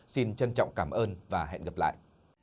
xin chân trọng cảm ơn và hẹn gặp lại